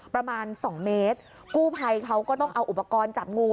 ประมาณสองเมตรกู้ภัยเขาก็ต้องเอาอุปกรณ์จับงู